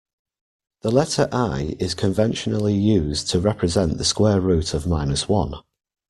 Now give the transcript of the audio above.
The letter i is conventionally used to represent the square root of minus one.